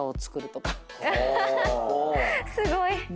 すごい！